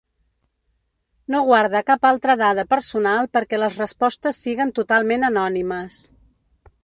No guarda cap altra dada personal perquè les respostes siguen totalment anònimes.